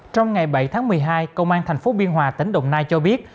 trong ngày bảy tháng một mươi hai công an thành phố biên hòa tỉnh đồng nai cho biết